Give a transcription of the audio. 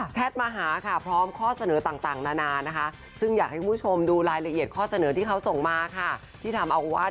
แชทมาหาค่ะพร้อมข้อเสนอต่างนานาซึ่งอยากให้คุณผู้ชมดูลายละเอียดข้อเสนอที่เค้าส่งมานะคะ